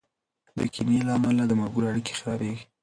د کینې له امله د ملګرو اړیکې خرابېږي.